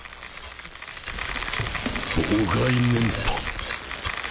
妨害念波？